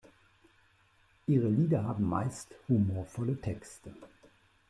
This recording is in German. Ihre Lieder haben meist humorvolle Texte.